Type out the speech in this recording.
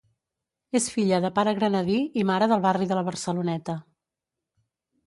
És filla de pare granadí i mare del barri de la Barceloneta.